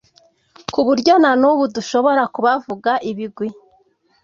ku buryo na n'ubu dushobora kubavuga ibigwi